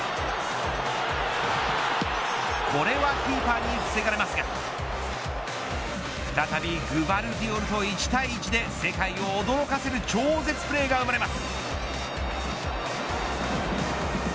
これはキーパーに防がれますが再びグヴァルディオルと一対一で世界を驚かせる超絶プレーが生まれます。